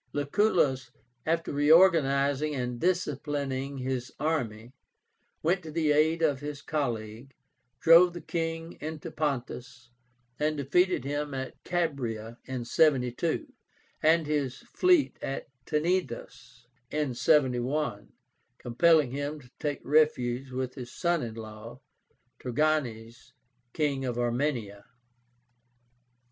Lucullus, after reorganizing and disciplining his army, went to the aid of his colleague, drove the king into Pontus, and defeated him at Cabíra in 72, and his fleet at Tenedos in 71, compelling him to take refuge with his son in law, TIGRÁNES, King of Armenia.